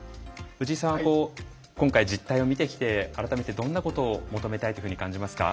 藤井さんは今回実態を見てきて改めてどんなことを求めたいというふうに感じますか？